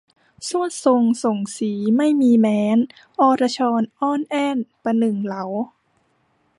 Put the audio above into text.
ทรวดทรงส่งศรีไม่มีแม้น อรชรอ้อนแอ้นประหนึ่งเหลา